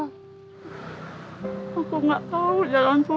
aku gak tahu